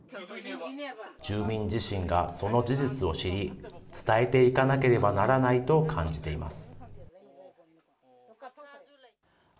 住民自身がその事実を知り、伝えていかなければならないと感じています。